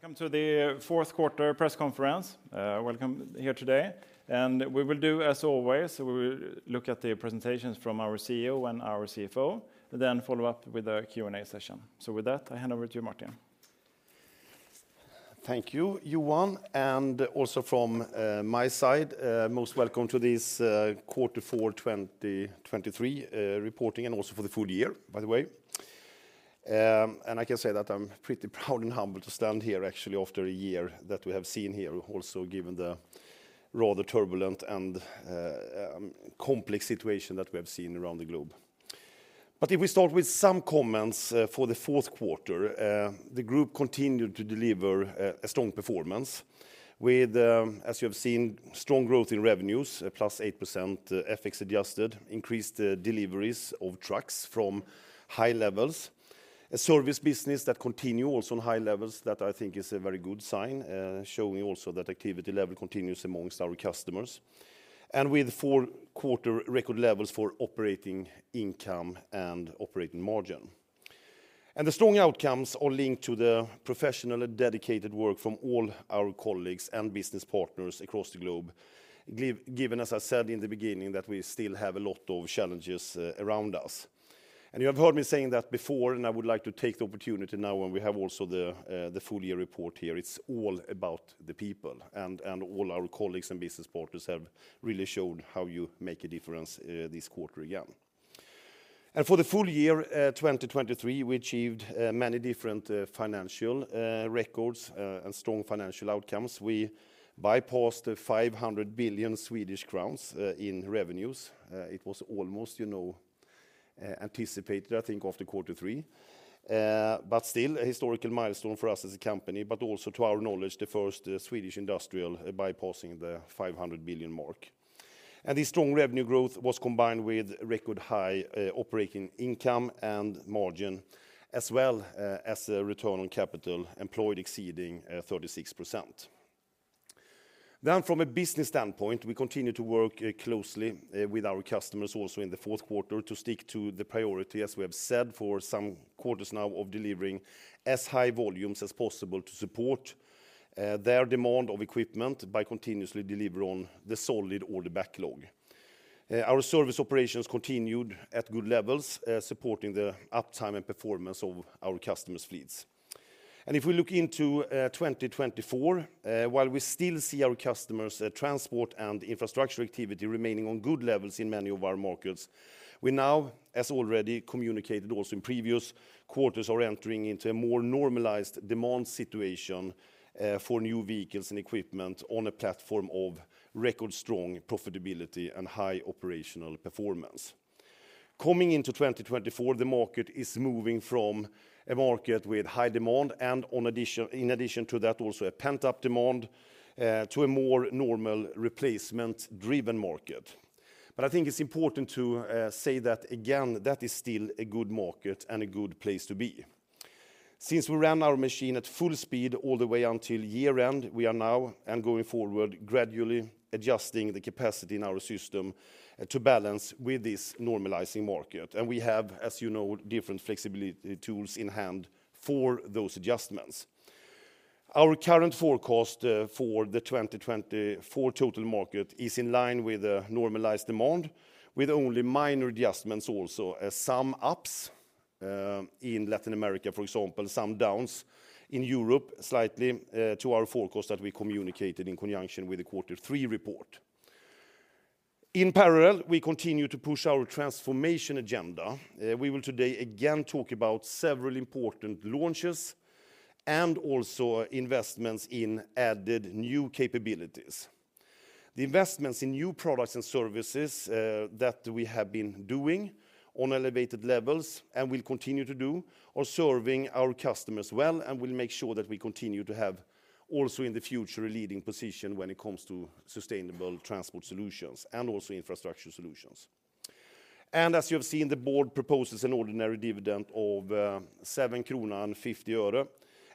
Welcome to the Q4 Press Conference. Welcome here today. We will do as always. We will look at the presentations from our CEO and our CFO, then follow up with a Q&A session. With that, I hand over to you, Martin. Thank you, Johan. Also from my side, most welcome to this Q4 2023 reporting and also for the full year, by the way. I can say that I'm pretty proud and humbled to stand here, actually, after a year that we have seen here, also given the rather turbulent and complex situation that we have seen around the globe. But if we start with some comments for the Q4, the group continued to deliver a strong performance with, as you have seen, strong growth in revenues, +8% FX adjusted, increased deliveries of trucks from high levels, a service business that continues also on high levels that I think is a very good sign, showing also that activity level continues amongst our customers, and with Q4 record levels for operating income and operating margin. And the strong outcomes are linked to the professional and dedicated work from all our colleagues and business partners across the globe, given, as I said in the beginning, that we still have a lot of challenges around us. And you have heard me saying that before, and I would like to take the opportunity now when we have also the full year report here, it's all about the people, and all our colleagues and business partners have really showed how you make a difference, this quarter again. And for the full year, 2023, we achieved many different financial records and strong financial outcomes. We bypassed 500 billion Swedish crowns in revenues. It was almost, you know, anticipated, I think, after Q3. Still, a historical milestone for us as a company, but also to our knowledge, the first Swedish industrial bypassing the 500 billion mark. This strong revenue growth was combined with record high operating income and margin, as well as a return on capital employed exceeding 36%. From a business standpoint, we continue to work closely with our customers also in the Q4 to stick to the priority, as we have said, for some quarters now, of delivering as high volumes as possible to support their demand of equipment by continuously delivering on the solid order backlog. Our service operations continued at good levels, supporting the uptime and performance of our customers' fleets. If we look into 2024, while we still see our customers' transport and infrastructure activity remaining on good levels in many of our markets, we now, as already communicated also in previous quarters, are entering into a more normalized demand situation for new vehicles and equipment on a platform of record strong profitability and high operational performance. Coming into 2024, the market is moving from a market with high demand and, in addition to that, also a pent-up demand, to a more normal replacement-driven market. But I think it's important to say that, again, that is still a good market and a good place to be. Since we ran our machine at full speed all the way until year-end, we are now, and going forward, gradually adjusting the capacity in our system to balance with this normalizing market, and we have, as you know, different flexibility tools in hand for those adjustments. Our current forecast for the 2024 total market is in line with a normalized demand, with only minor adjustments also, some ups in Latin America, for example, some downs in Europe slightly to our forecast that we communicated in conjunction with the Q3 report. In parallel, we continue to push our transformation agenda. We will today again talk about several important launches and also investments in added new capabilities. The investments in new products and services that we have been doing on elevated levels and will continue to do are serving our customers well and will make sure that we continue to have also in the future a leading position when it comes to sustainable transport solutions and also infrastructure solutions. As you have seen, the board proposes an ordinary dividend of 7.50 krona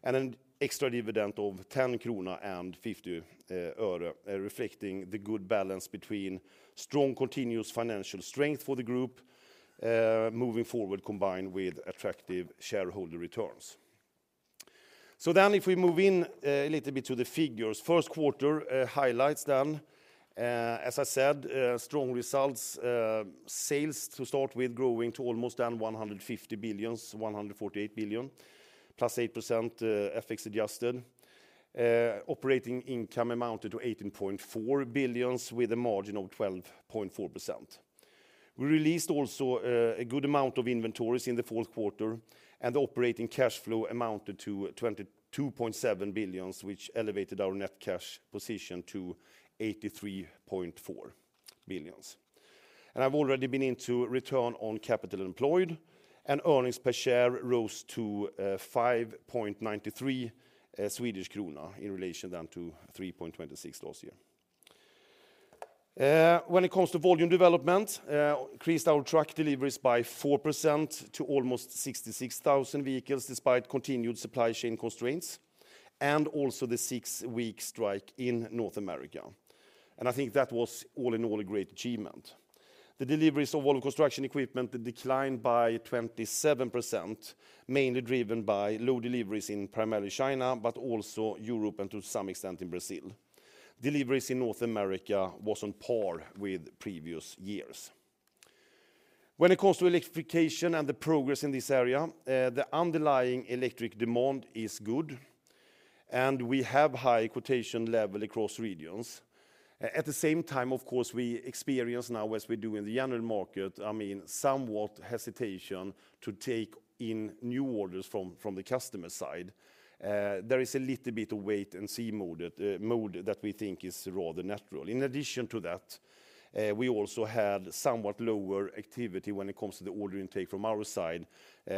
and an extra dividend of 10.50 krona, reflecting the good balance between strong continuous financial strength for the group moving forward combined with attractive shareholder returns. If we move in a little bit to the figures, Q1 highlights then, as I said, strong results, sales to start with growing to almost 150 billion, 148 billion, +8% FX adjusted, operating income amounted to 18.4 billion with a margin of 12.4%. We released also a good amount of inventories in the Q4 and the operating cash flow amounted to 22.7 billion, which elevated our net cash position to 83.4 billion. I've already been into return on capital employed and earnings per share rose to 5.93 Swedish krona in relation then to 3.26 last year. When it comes to volume development, increased our truck deliveries by 4% to almost 66,000 vehicles despite continued supply chain constraints and also the six-week strike in North America. I think that was all in all a great achievement. The deliveries of all of construction equipment declined by 27%, mainly driven by low deliveries in primarily China but also Europe and to some extent in Brazil. Deliveries in North America were on par with previous years. When it comes to electrification and the progress in this area, the underlying electric demand is good and we have high quotation level across regions. At the same time, of course, we experience now, as we do in the general market, I mean, somewhat hesitation to take in new orders from the customer side. There is a little bit of wait-and-see mode that we think is rather natural. In addition to that, we also had somewhat lower activity when it comes to the order intake from our side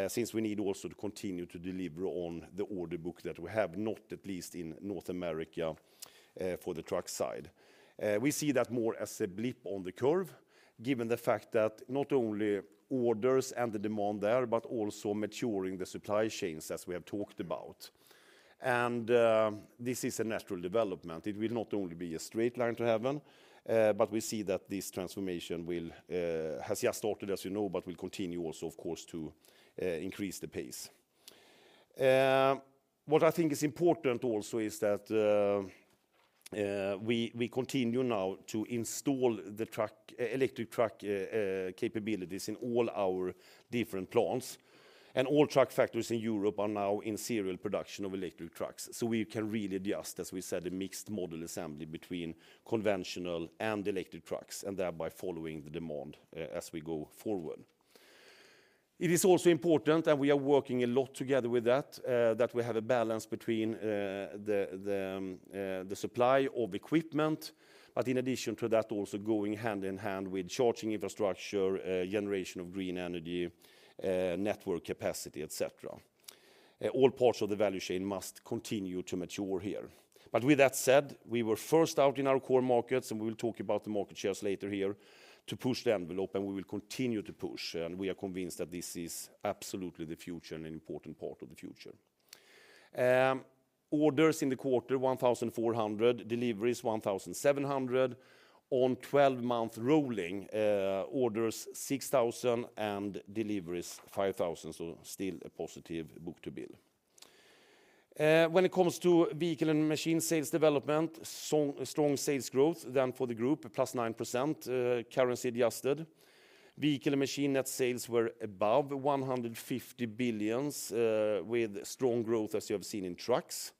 since we need also to continue to deliver on the order book that we have, not at least in North America for the truck side. We see that more as a blip on the curve given the fact that not only orders and the demand there but also maturing the supply chains as we have talked about. And this is a natural development. It will not only be a straight line to heaven, but we see that this transformation has just started, as you know, but will continue also, of course, to increase the pace. What I think is important also is that we continue now to install the truck, electric truck capabilities in all our different plants. All truck factories in Europe are now in serial production of electric trucks. We can really adjust, as we said, a Mixed Model Assembly between conventional and electric trucks and thereby following the demand as we go forward. It is also important, and we are working a lot together with that, that we have a balance between the supply of equipment, but in addition to that also going hand in hand with charging infrastructure, generation of green energy, network capacity, etc. All parts of the value chain must continue to mature here. But with that said, we were first out in our core markets, and we will talk about the market shares later here, to push the envelope, and we will continue to push. We are convinced that this is absolutely the future and an important part of the future. Orders in the quarter, 1,400. Deliveries, 1,700. On 12-month rolling, orders 6,000 and deliveries 5,000, so still a positive Book to Bill. When it comes to vehicle and machine sales development, strong sales growth then for the group, +9%, currency adjusted. Vehicle and machine net sales were above 150 billion with strong growth, as you have seen, in trucks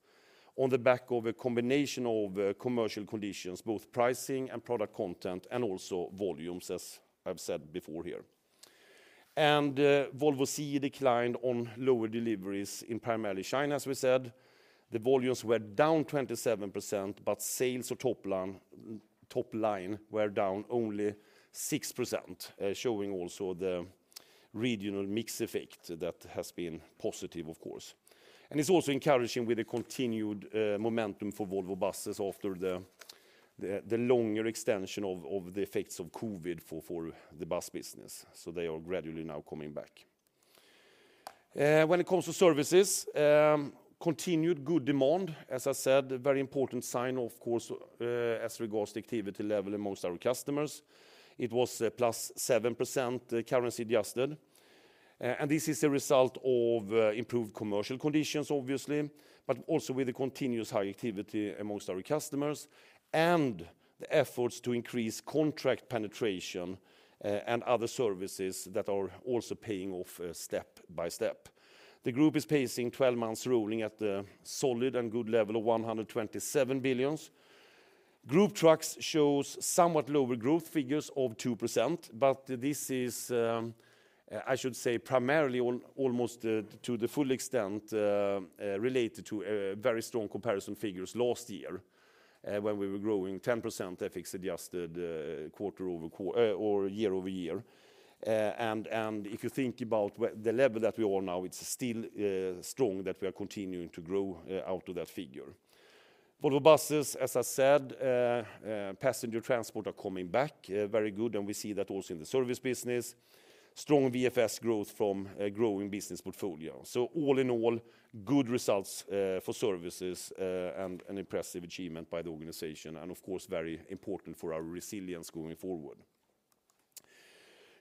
on the back of a combination of commercial conditions, both pricing and product content, and also volumes, as I have said before here. Volvo CE declined on lower deliveries in primarily China, as we said. The volumes were down 27%, but sales or top line were down only 6%, showing also the regional mix effect that has been positive, of course. It's also encouraging with the continued momentum for Volvo Buses after the longer extension of the effects of COVID for the bus business, so they are gradually now coming back. When it comes to services, continued good demand, as I said, a very important sign, of course, as regards to activity level among our customers. It was +7%, currency adjusted. This is a result of improved commercial conditions, obviously, but also with the continuous high activity among our customers and the efforts to increase contract penetration and other services that are also paying off step by step. The group is pacing 12-month rolling at the solid and good level of 127 billion. Group trucks show somewhat lower growth figures of 2%, but this is, I should say, primarily almost to the full extent related to very strong comparison figures last year when we were growing 10% FX adjusted quarter-over-year or year-over-year. If you think about the level that we are now, it's still strong that we are continuing to grow out of that figure. Volvo Buses, as I said, passenger transport are coming back, very good, and we see that also in the service business. Strong VFS growth from a growing business portfolio. So all in all, good results for services and an impressive achievement by the organization and, of course, very important for our resilience going forward.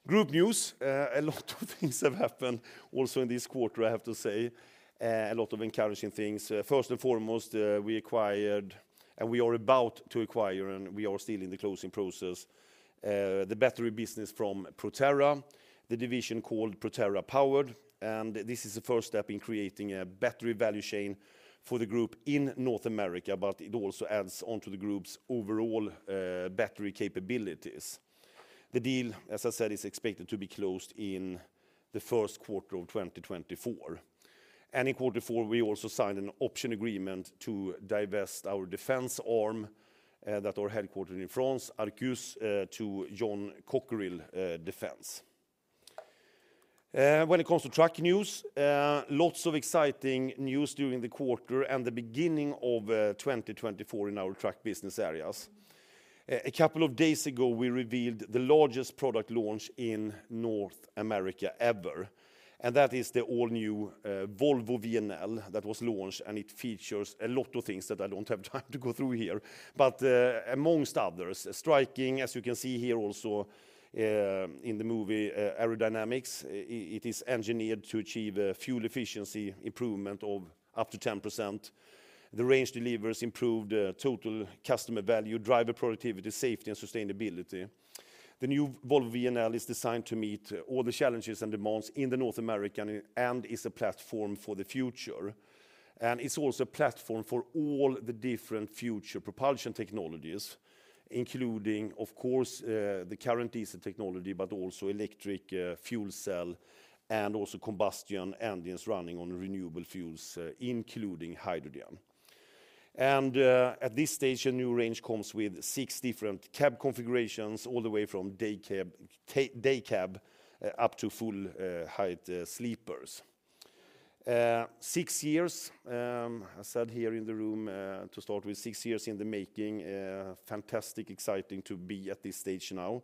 Group news, a lot of things have happened also in this quarter, I have to say, a lot of encouraging things. First and foremost, we acquired and we are about to acquire, and we are still in the closing process, the battery business from Proterra, the division called Proterra Powered, and this is a first step in creating a battery value chain for the group in North America, but it also adds onto the group's overall battery capabilities. The deal, as I said, is expected to be closed in the Q1 of 2024. In Q4, we also signed an option agreement to divest our defense arm headquartered in France, Arquus, to John Cockerill Defense. When it comes to truck news, lots of exciting news during the quarter and the beginning of 2024 in our truck business areas. A couple of days ago, we revealed the largest product launch in North America ever, and that is the all-new Volvo VNL that was launched, and it features a lot of things that I don't have time to go through here, but amongst others, striking, as you can see here also in the movie, aerodynamics. It is engineered to achieve fuel efficiency improvement of up to 10%. The range delivers improved total customer value, driver productivity, safety, and sustainability. The new Volvo VNL is designed to meet all the challenges and demands in North America and is a platform for the future. It's also a platform for all the different future propulsion technologies, including, of course, the current diesel technology, but also electric fuel cell and also combustion engines running on renewable fuels, including hydrogen. At this stage, a new range comes with six different cab configurations all the way from day cab up to full height sleepers. Six years, as I said here in the room, to start with, six years in the making, fantastic, exciting to be at this stage now.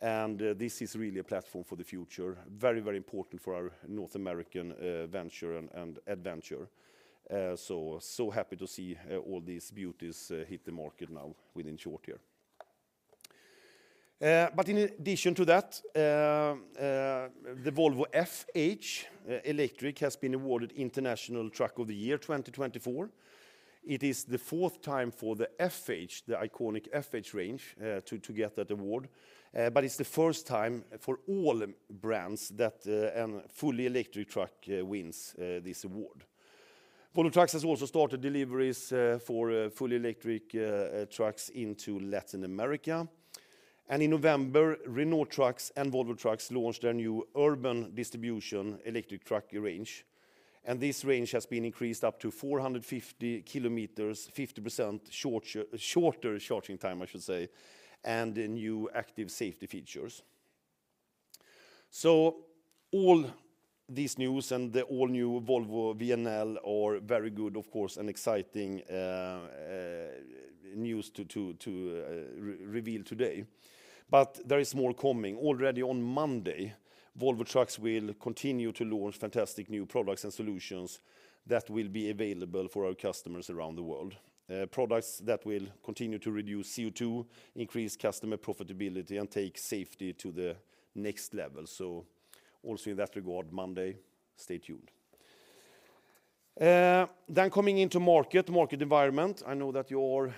This is really a platform for the future, very, very important for our North American venture and adventure. So happy to see all these beauties hit the market now within short here. In addition to that, the Volvo FH Electric has been awarded International Truck of the Year 2024. It is the fourth time for the FH, the iconic FH range, to get that award, but it's the first time for all brands that a fully electric truck wins this award. Volvo Trucks has also started deliveries for fully electric trucks into Latin America. In November, Renault Trucks and Volvo Trucks launched their new urban distribution electric truck range. This range has been increased up to 450 kilometers, 50% shorter charging time, I should say, and new active safety features. So all these news and the all-new Volvo VNL are very good, of course, and exciting news to reveal today. But there is more coming. Already on Monday, Volvo Trucks will continue to launch fantastic new products and solutions that will be available for our customers around the world. Products that will continue to reduce CO2, increase customer profitability, and take safety to the next level. So also in that regard, Monday, stay tuned. Then coming into market, market environment, I know that you are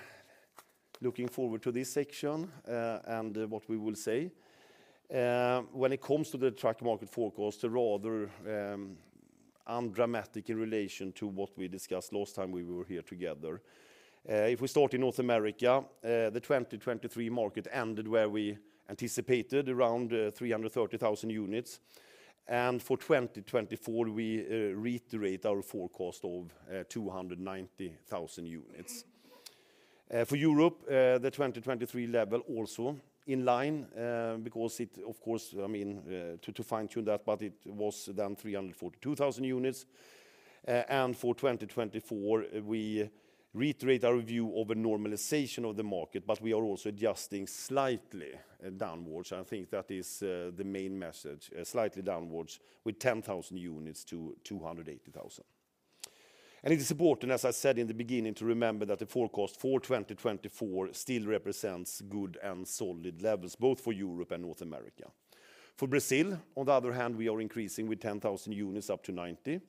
looking forward to this section and what we will say. When it comes to the truck market forecast, rather undramatic in relation to what we discussed last time we were here together. If we start in North America, the 2023 market ended where we anticipated, around 330,000 units. And for 2024, we reiterate our forecast of 290,000 units. For Europe, the 2023 level also in line because it, of course, I mean, to fine-tune that, but it was then 342,000 units. And for 2024, we reiterate our view of a normalization of the market, but we are also adjusting slightly downwards. I think that is the main message, slightly downwards with 10,000 units to 280,000. It is important, as I said in the beginning, to remember that the forecast for 2024 still represents good and solid levels, both for Europe and North America. For Brazil, on the other hand, we are increasing with 10,000 units up to 90.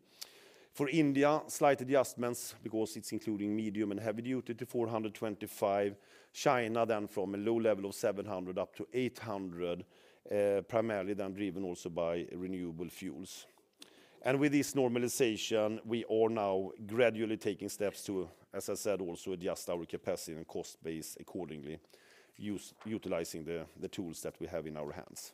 For India, slight adjustments because it's including medium and heavy duty to 425. China then from a low level of 700 up to 800, primarily then driven also by renewable fuels. And with this normalization, we are now gradually taking steps to, as I said, also adjust our capacity and cost base accordingly, utilizing the tools that we have in our hands.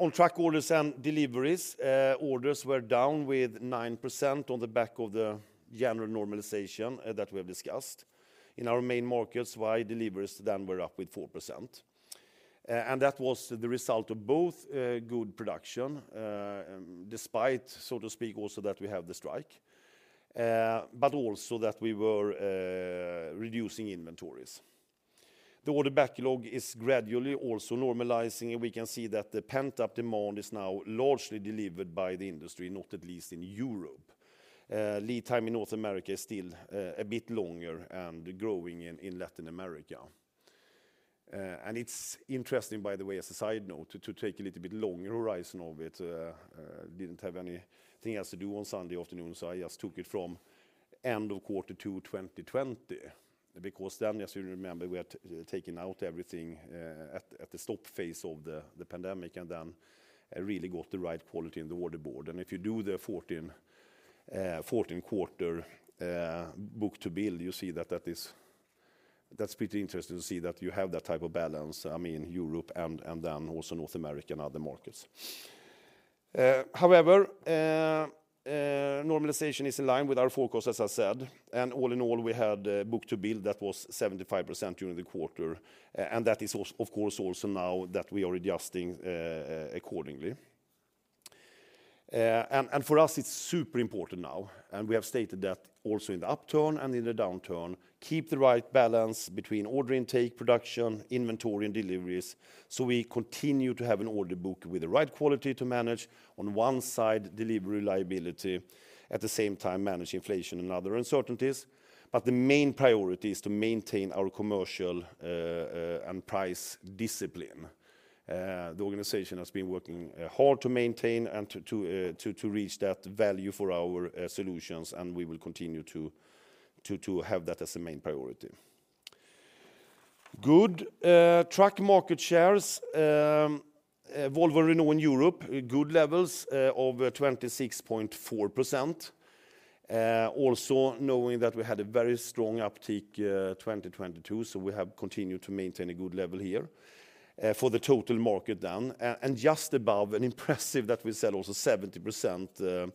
On truck orders and deliveries, orders were down with 9% on the back of the general normalization that we have discussed. In our main markets, while deliveries then were up with 4%. And that was the result of both good production, despite, so to speak, also that we have the strike, but also that we were reducing inventories. The order backlog is gradually also normalizing, and we can see that the pent-up demand is now largely delivered by the industry, not at least in Europe. Lead time in North America is still a bit longer and growing in Latin America. And it's interesting, by the way, as a side note, to take a little bit longer horizon of it. I didn't have anything else to do on Sunday afternoon, so I just took it from end of Q2 2020 because then, as you remember, we had taken out everything, at the stop phase of the pandemic and then really got the right quality in the order board. If you do the 14-quarter book-to-bill, you see that that is, that's pretty interesting to see that you have that type of balance, I mean, Europe and then also North America and other markets. However, normalization is in line with our forecast, as I said, and all in all, we had book-to-bill that was 75% during the quarter, and that is, of course, also now that we are adjusting accordingly. For us, it's super important now, and we have stated that also in the upturn and in the downturn, keep the right balance between order intake, production, inventory, and deliveries so we continue to have an order book with the right quality to manage on one side, delivery liability, at the same time manage inflation and other uncertainties. The main priority is to maintain our commercial and price discipline. The organization has been working hard to maintain and to reach that value for our solutions, and we will continue to have that as a main priority. Good truck market shares, Volvo Renault in Europe, good levels of 26.4%, also knowing that we had a very strong uptick 2022, so we have continued to maintain a good level here, for the total market then, and just above and impressive that we said also 70%,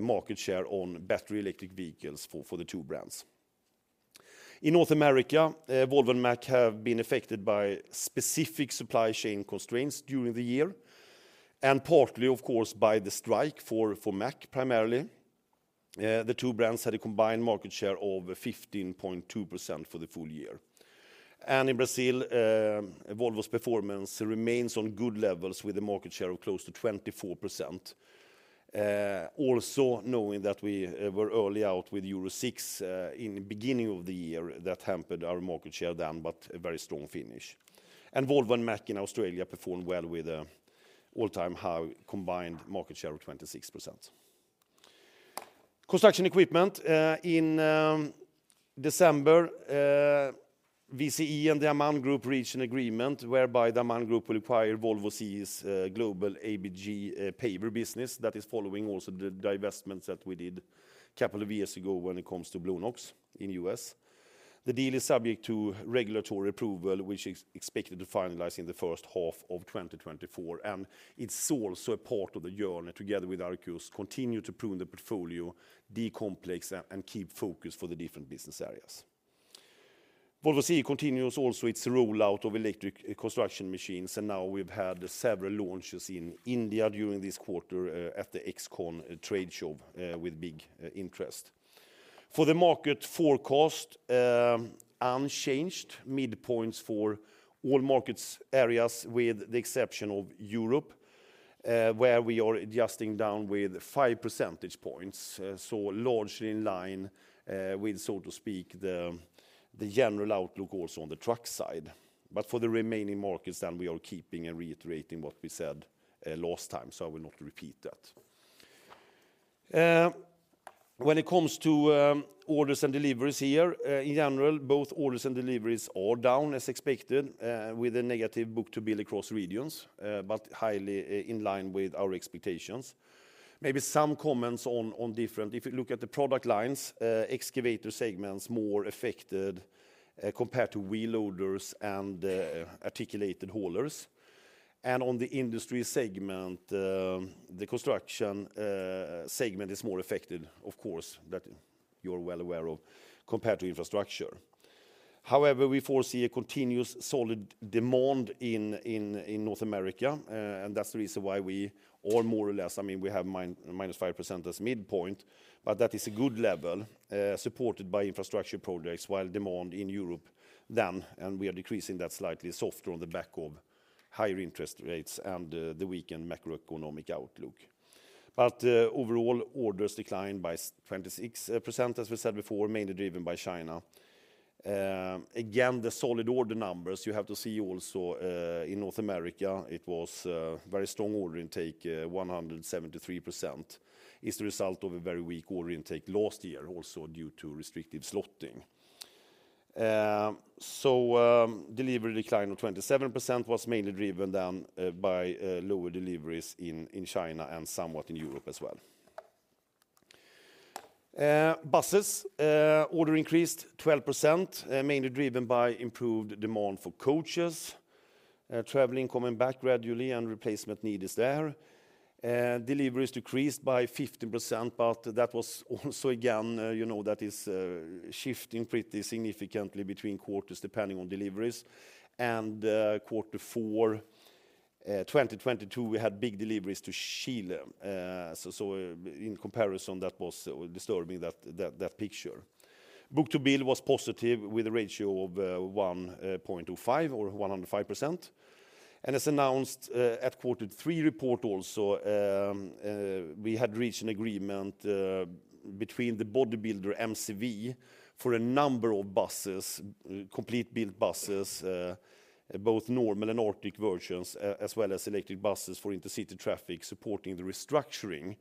market share on battery electric vehicles for the two brands. In North America, Volvo and Mack have been affected by specific supply chain constraints during the year and partly, of course, by the strike for Mack primarily. The two brands had a combined market share of 15.2% for the full year. In Brazil, Volvo's performance remains on good levels with a market share of close to 24%, also knowing that we were early out with Euro 6 in the beginning of the year that hampered our market share then, but a very strong finish. Volvo and Mack in Australia performed well with an all-time high combined market share of 26%. Construction equipment in December, VCE and Diamant Group reached an agreement whereby Diamant Group will acquire Volvo CE's global ABG paver business that is following also the divestments that we did a couple of years ago when it comes to Blaw-Knox in the U.S. The deal is subject to regulatory approval, which is expected to finalize in the first half of 2024, and it's also a part of the journey together with Arquus to continue to prune the portfolio, decomplex, and keep focus for the different business areas. Volvo CE continues also its rollout of electric construction machines, and now we've had several launches in India during this quarter at the EXCON trade show with big interest. For the market forecast, unchanged, midpoints for all markets areas with the exception of Europe, where we are adjusting down with five percentage points, so largely in line, with, so to speak, the the general outlook also on the truck side. But for the remaining markets then, we are keeping and reiterating what we said, last time, so I will not repeat that. When it comes to orders and deliveries here in general, both orders and deliveries are down as expected, with a negative Book to Bill across regions, but highly in line with our expectations. Maybe some comments on different, if you look at the product lines, excavator segments more affected, compared to wheel loaders and articulated haulers. And on the industry segment, the construction segment is more affected, of course, that you're well aware of, compared to infrastructure. However, we foresee a continuous solid demand in North America, and that's the reason why we are more or less, I mean, we have minus 5% as midpoint, but that is a good level, supported by infrastructure projects while demand in Europe then and we are decreasing that slightly softer on the back of higher interest rates and the weakened macroeconomic outlook. But overall, orders declined by 26%, as we said before, mainly driven by China. Again, the solid order numbers, you have to see also in North America, it was very strong order intake, 173%, is the result of a very weak order intake last year, also due to restrictive slotting. So delivery decline of 27% was mainly driven then by lower deliveries in China and somewhat in Europe as well. Buses, order increased 12%, mainly driven by improved demand for coaches. Travel income went back gradually and replacement need is there. Deliveries decreased by 15%, but that was also again, you know, that is shifting pretty significantly between quarters depending on deliveries. And Q4 2022, we had big deliveries to Chile, so in comparison, that was disturbing that picture. Book to Bill was positive with a ratio of 1.05 or 105%. As announced at quarter three report also, we had reached an agreement between the bodybuilder MCV for a number of buses, complete built buses, both normal and Artic versions, as well as electric buses for intercity traffic supporting the restructuring,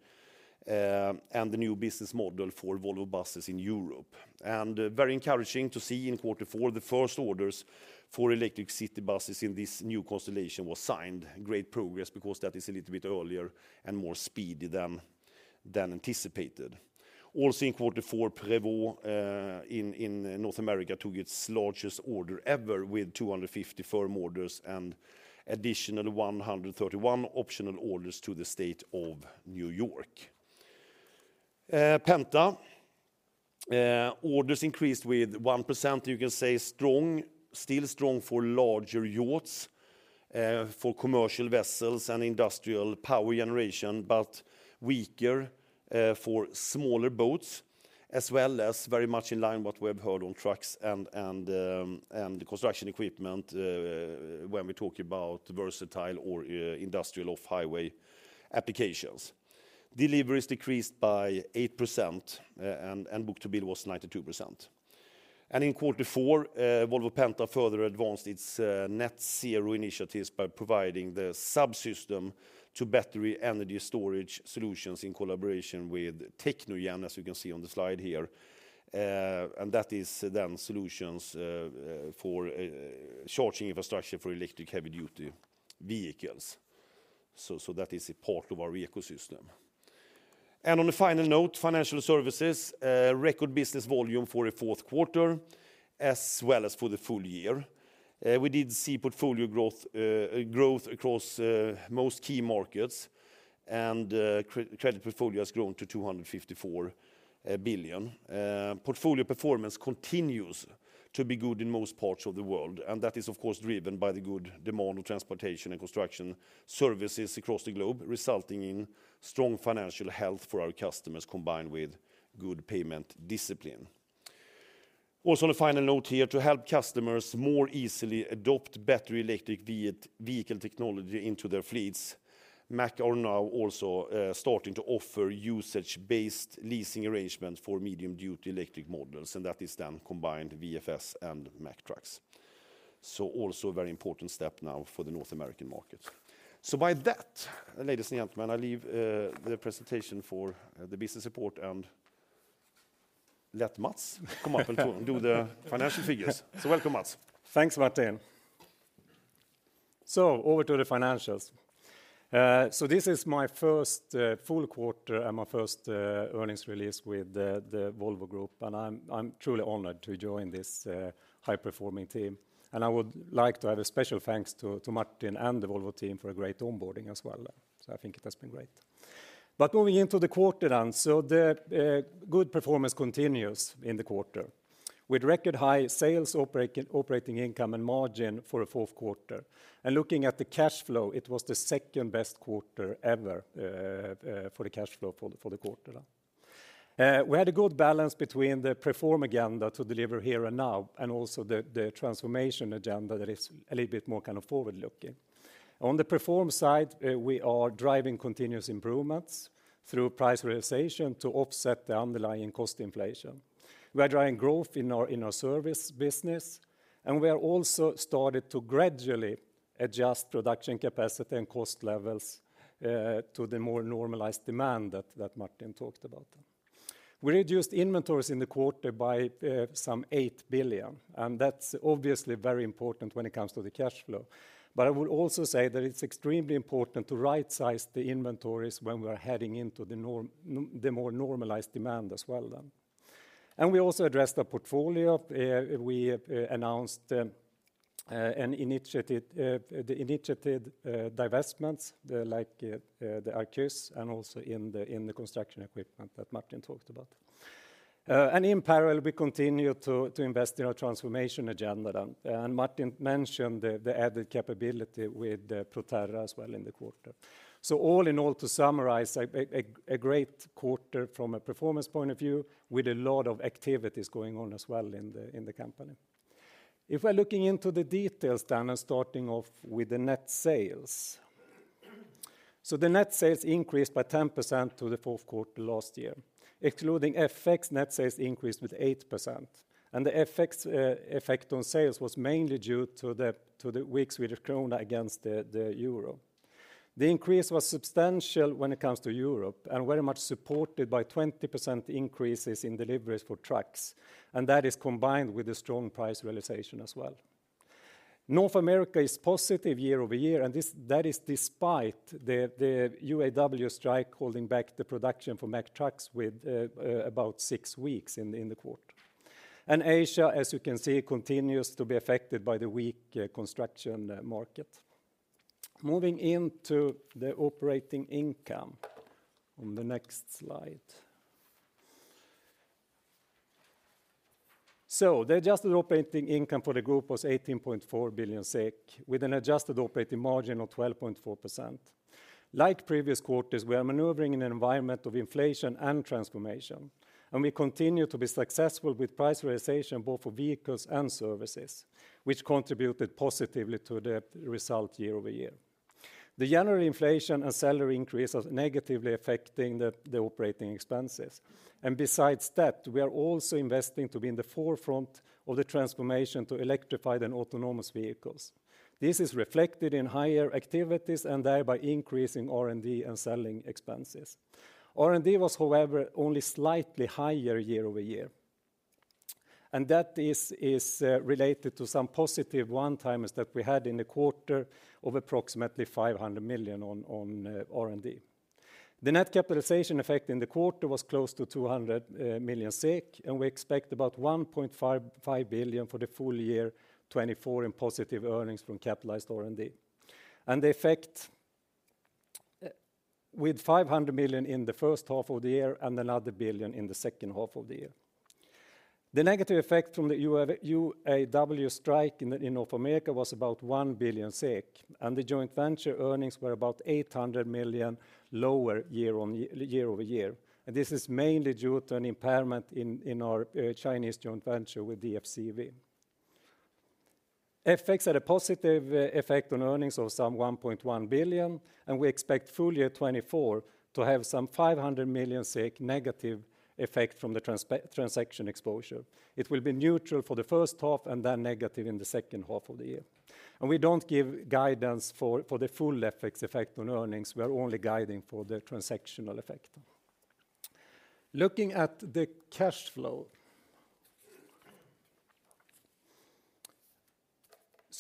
and the new business model for Volvo Buses in Europe. Very encouraging to see in Q4, the first orders for electric city buses in this new constellation were signed. Great progress because that is a little bit earlier and more speedy than anticipated. Also in Q4, Prevost in North America took its largest order ever with 250 firm orders and additional 131 optional orders to the state of New York. Penta, orders increased with 1%, you can say, strong, still strong for larger yachts, for commercial vessels and industrial power generation, but weaker for smaller boats, as well as very much in line with what we have heard on trucks and construction equipment, when we talk about versatile or industrial off-highway applications. Deliveries decreased by 8%, and Book to Bill was 92%. And in Q4, Volvo Penta further advanced its net zero initiatives by providing the subsystem to battery energy storage solutions in collaboration with TecnoGen, as you can see on the slide here, and that is then solutions for charging infrastructure for electric heavy duty vehicles. So that is a part of our ecosystem. And on a final note, financial services, record business volume for the Q4, as well as for the full year. We did see portfolio growth, growth across most key markets, and credit portfolio has grown to 254 billion. Portfolio performance continues to be good in most parts of the world, and that is, of course, driven by the good demand of transportation and construction services across the globe, resulting in strong financial health for our customers combined with good payment discipline. Also on a final note here, to help customers more easily adopt battery electric vehicle technology into their fleets, Mack are now also starting to offer usage-based leasing arrangements for medium duty electric models, and that is then combined VFS and Mack trucks. So also a very important step now for the North American market. So by that, ladies and gentlemen, I leave the presentation for the business report and let Mats come up and do the financial figures. So welcome, Mats. Thanks, Martin. Over to the financials. This is my first full quarter and my first earnings release with the Volvo Group, and I'm truly honored to join this high-performing team. I would like to have a special thanks to Martin and the Volvo team for a great onboarding as well, so I think it has been great. Moving into the quarter then, the good performance continues in the quarter, with record high sales, operating income, and margin for the Q4. Looking at the cash flow, it was the second best quarter ever, for the cash flow for the quarter then. We had a good balance between the perform agenda to deliver here and now and also the transformation agenda that is a little bit more kind of forward-looking. On the performance side, we are driving continuous improvements through price realization to offset the underlying cost inflation. We are driving growth in our service business, and we have also started to gradually adjust production capacity and cost levels, to the more normalized demand that Martin talked about. We reduced inventories in the quarter by some 8 billion, and that's obviously very important when it comes to the cash flow. But I would also say that it's extremely important to right-size the inventories when we are heading into the more normalized demand as well then. And we also addressed our portfolio. We announced the initiated divestments, like the Arquus, and also in the construction equipment that Martin talked about. And in parallel, we continue to invest in our transformation agenda then. And Martin mentioned the added capability with Proterra as well the quarter. Asia, as you can see, continues to be affected by the weak construction market. Moving into the operating income on the next slide. So the adjusted operating income for the group was 18.4 billion SEK, with an adjusted operating margin of 12.4%. Like previous quarters, we are maneuvering in an environment of inflation and transformation, and we continue to be successful with price realization both for vehicles and services, which contributed positively to the result year-over-year. The January inflation and salary increase are negatively affecting the operating expenses, and besides that, we are also investing to be in the forefront of the transformation to electrify the autonomous vehicles. This is reflected in higher activities and thereby increasing R&D and selling expenses. R&D was, however, only slightly higher year-over-year, and that is related to some positive one-timers that we had in the quarter of approximately 500 million on R&D. The net capitalization effect in the quarter was close to 200 million SEK, and we expect about 1.5 billion for the full year 2024 in positive earnings from capitalized R&D. The effect with 500 million in the H1 of the year and another 1 billion in the H2 of the year. The negative effect from the UAW strike in North America was about 1 billion SEK, and the joint venture earnings were about 800 million lower year-over-year, and this is mainly due to an impairment in our Chinese joint venture with DFCV. FX had a positive effect on earnings of some SEK 1.1 billion, and we expect full year 2024 to have some SEK 500 million negative effect from the transaction exposure. It will be neutral for the H1 and then negative in the H2 of the year. We don't give guidance for the full FX effect on earnings. We are only guiding for the transactional effect. Looking at the cash flow.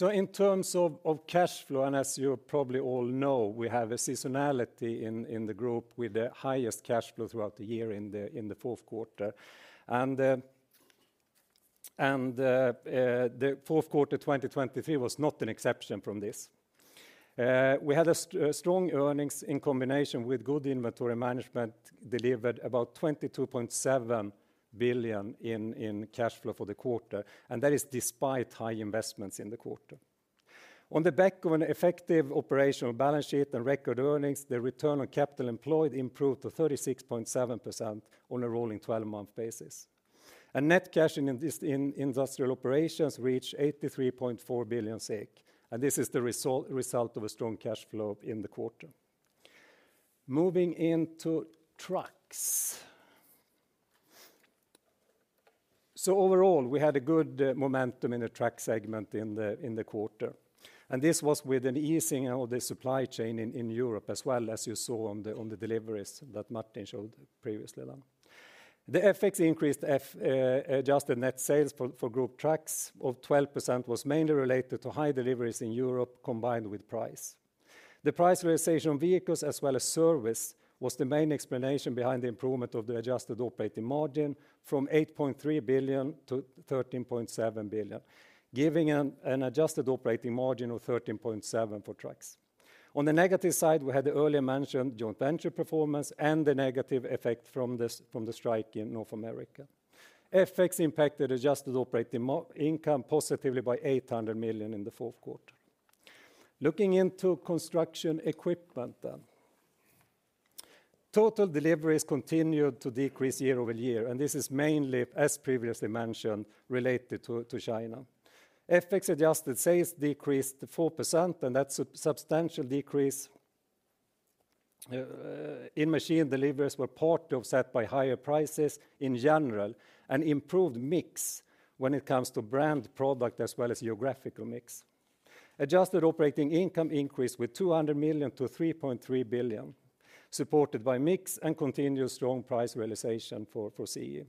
In terms of cash flow, as you probably all know, we have a seasonality in the group with the highest cash flow throughout the year in the Q4. The Q4 2023 was not an exception from this. We had strong earnings in combination with good inventory management delivered about 22.7 billion in cash flow for the quarter, and that is despite high investments in the quarter. On the back of an effective operational balance sheet and record earnings, the return on capital employed improved to 36.7% on a rolling 12-month basis. Net cash in industrial operations reached 83.4 billion, and this is the result of a strong cash flow in the quarter. Moving into trucks. Overall, we had a good momentum in the truck segment in the quarter, and this was with an easing of the supply chain in Europe as well, as you saw on the deliveries that Martin showed previously then. The FX-adjusted net sales for Group Trucks increased 12% was mainly related to high deliveries in Europe combined with price. The price realization on vehicles as well as service was the main explanation behind the improvement of the adjusted operating margin from 8.3 billion to 13.7 billion, giving an adjusted operating margin of 13.7% for trucks. On the negative side, we had the earlier mentioned joint venture performance and the negative effect from the strike in North America. FX impacted adjusted operating income positively by 800 million in the Q4. Looking into construction equipment then. Total deliveries continued to decrease year-over-year, and this is mainly, as previously mentioned, related to China. FX adjusted sales decreased 4%, and that's a substantial decrease in machine deliveries were partly offset by higher prices in general, an improved mix when it comes to brand product as well as geographical mix. Adjusted operating income increased by 200 million to 3.3 billion, supported by mix and continued strong price realization for CE.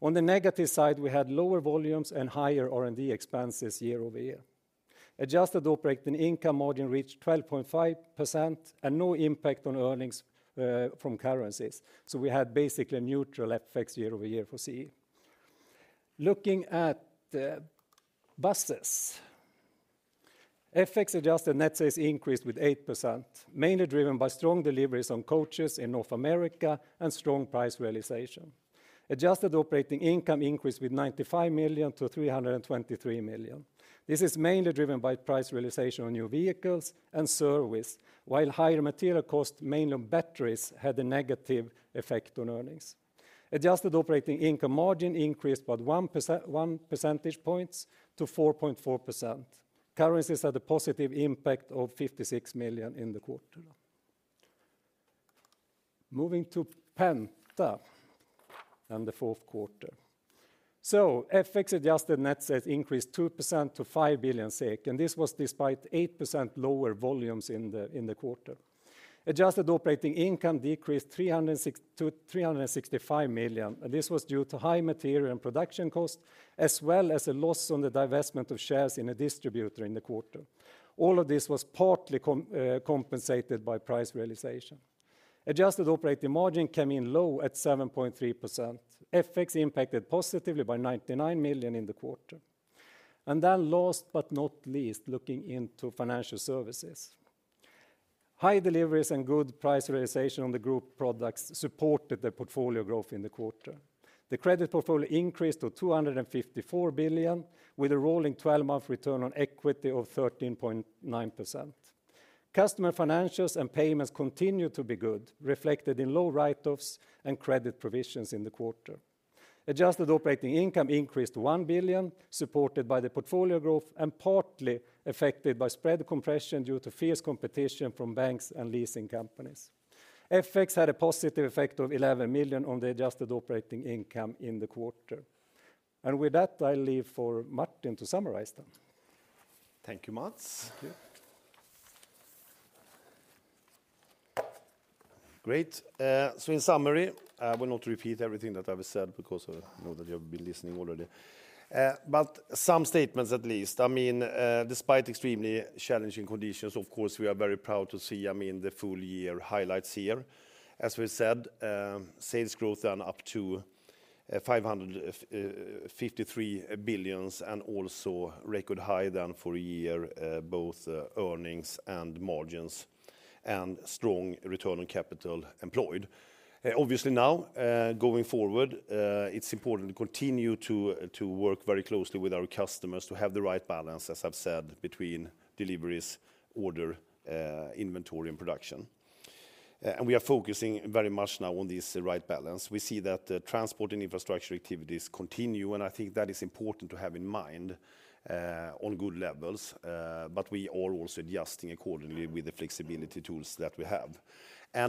On the negative side, we had lower volumes and higher R&D expenses year-over-year. Adjusted operating income margin reached 12.5% and no impact on earnings from currencies, so we had basically a neutral FX year-over-year for CE. Looking at buses. FX-adjusted net sales increased by 8%, mainly driven by strong deliveries on coaches in North America and strong price realization. Adjusted operating income increased by 95 million to 323 million. This is mainly driven by price realization on new vehicles and service, while higher material costs, mainly on batteries, had a negative effect on earnings. Adjusted operating income margin increased by 1 percentage point to 4.4%. Currencies had a positive impact of 56 million in the quarter. Moving to Penta and the Q4. FX adjusted net sales increased 2% to 5 billion SEK, and this was despite 8% lower volumes in the quarter. Adjusted operating income decreased 365 million, and this was due to high material and production costs as well as a loss on the divestment of shares in a distributor in the quarter. All of this was partly compensated by price realization. Adjusted operating margin came in low at 7.3%. FX impacted positively by 99 million in the quarter. Then last but not least, looking into financial services. High deliveries and good price realization on the group products supported the portfolio growth in the quarter. The credit portfolio increased to 254 billion, with a rolling 12-month return on equity of 13.9%. Customer financials and payments continued to be good, reflected in low write-offs and credit provisions in the quarter. Adjusted operating income increased to 1 billion, supported by the portfolio growth and partly affected by spread compression due to fierce competition from banks and leasing companies. FX had a positive effect of 11 million on the adjusted operating income in the quarter. And with that, I leave for Martin to summarize then. Thank you, Mats. Thank you. Great. So in summary, I will not repeat everything that I've said because I know that you have been listening already. But some statements at least. I mean, despite extremely challenging conditions, of course, we are very proud to see, I mean, the full year highlights here. As we said, sales growth then up to 553 billion and also record high then for a year, both earnings and margins and strong return on capital employed. Obviously now, going forward, it's important to continue to work very closely with our customers to have the right balance, as I've said, between deliveries, order, inventory, and production. We are focusing very much now on this right balance. We see that transport and infrastructure activities continue, and I think that is important to have in mind on good levels, but we are also adjusting accordingly with the flexibility tools that we have.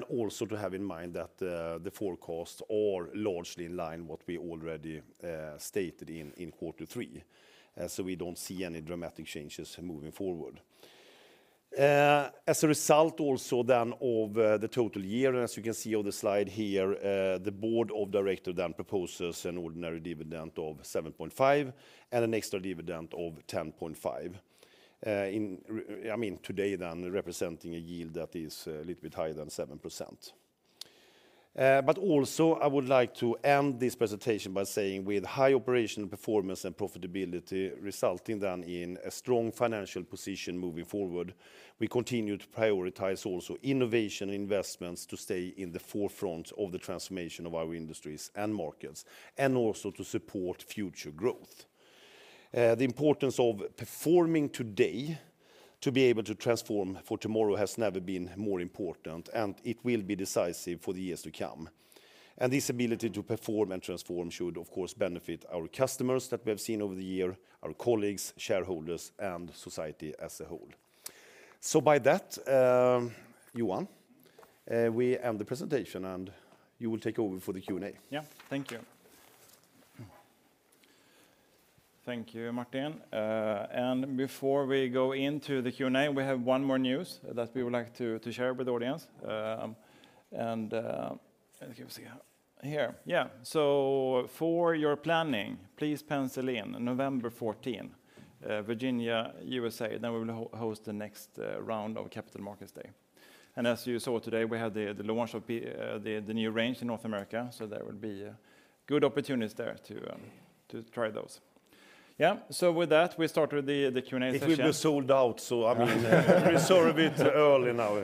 Also to have in mind that the forecasts are largely in line with what we already stated in Q3, so we don't see any dramatic changes moving forward. As a result also then of the total year, and as you can see on the slide here, the board of directors then proposes an ordinary dividend of 7.5 and an extra dividend of 10.5. I mean, today then representing a yield that is a little bit higher than 7%. But also, I would like to end this presentation by saying with high operational performance and profitability resulting then in a strong financial position moving forward, we continue to prioritize also innovation and investments to stay in the forefront of the transformation of our industries and markets and also to support future growth. The importance of performing today to be able to transform for tomorrow has never been more important, and it will be decisive for the years to come. And this ability to perform and transform should, of course, benefit our customers that we have seen over the year, our colleagues, shareholders, and society as a whole. So by that, Johan, we end the presentation and you will take over for the Q&A. Yeah, thank you. Thank you, Martin. And before we go into the Q&A, we have one more news that we would like to share with the audience. And let's see here. Yeah, so for your planning, please pencil in November 14, Virginia, USA, then we will host the next round of Capital Markets Day. And as you saw today, we had the launch of the new range in North America, so there will be good opportunities there to try those. Yeah, so with that, we started the Q&A session. If we've been sold out, so I mean, we're sorry a bit early now.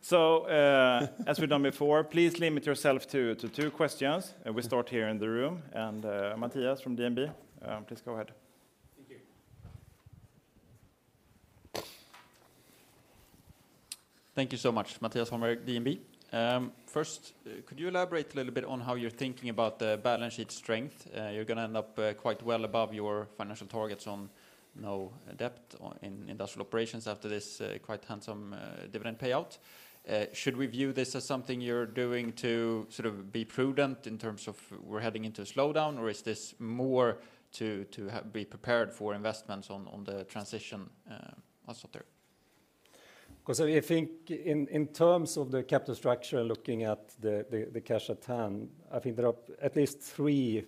So as we've done before, please limit yourself to two questions. We start here in the room. Mattias from DNB, please go ahead. Thank you. Thank you so much, Mattias Holmberg, DNB. First, could you elaborate a little bit on how you're thinking about the balance sheet strength? You're going to end up quite well above your financial targets on no debt in industrial operations after this quite handsome dividend payout. Should we view this as something you're doing to sort of be prudent in terms of we're heading into a slowdown, or is this more to be prepared for investments on the transition? I'll stop there. Because I think in terms of the capital structure and looking at the cash at hand, I think there are at least three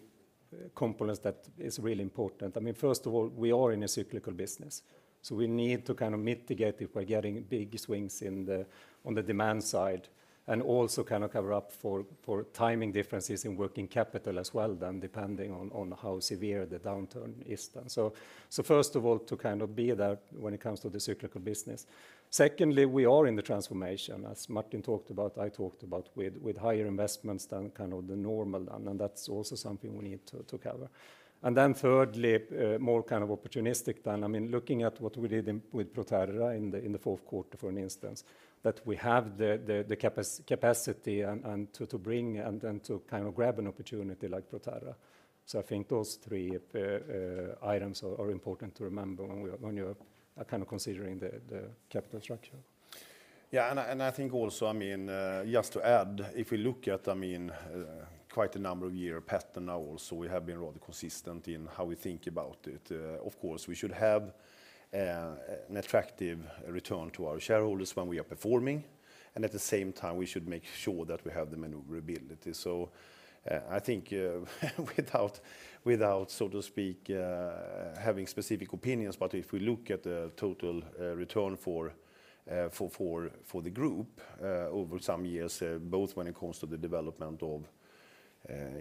components that are really important. I mean, first of all, we are in a cyclical business, so we need to kind of mitigate if we're getting big swings on the demand side and also kind of cover up for timing differences in working capital as well then, depending on how severe the downturn is then. So first of all, to kind of be there when it comes to the cyclical business. Secondly, we are in the transformation, as Martin talked about, I talked about, with higher investments than kind of the normal then, and that's also something we need to cover. And then thirdly, more kind of opportunistic then, I mean, looking at what we did with Proterra in the Q4, for instance, that we have the capacity to bring and to kind of grab an opportunity like Proterra. So I think those three items are important to remember when you're kind of considering the capital structure. Yeah, and I think also, I mean, just to add, if we look at, I mean, quite a number of years, pattern now also, we have been rather consistent in how we think about it. Of course, we should have an attractive return to our shareholders when we are performing, and at the same time, we should make sure that we have the maneuverability. So I think without, so to speak, having specific opinions, but if we look at the total return for the group over some years, both when it comes to the development